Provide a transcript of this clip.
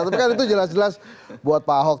tapi kan itu jelas jelas buat pak ahok